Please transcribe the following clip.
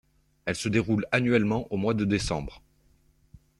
Elle se déroule annuellement au mois de décembre.